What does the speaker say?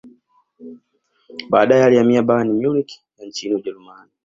baadae alihamia Bayern Munich ya nchini ujerumani